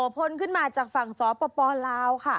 พลขึ้นมาจากฝั่งซ้อปปลาวค่ะ